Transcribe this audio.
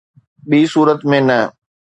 ”ٻي صورت ۾ نه.